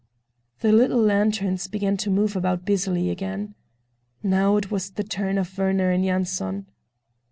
The little lanterns began to move about busily again. Now it was the turn of Werner and Yanson.